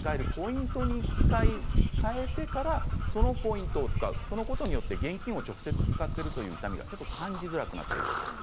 アプリ内で使えるポイントに１回換えてからそのポイントを使うそのことによって現金を直接使っているという痛みが感じづらくなります。